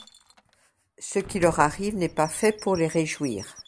Ce qui leur arrive n'est pas fait pour les réjouir.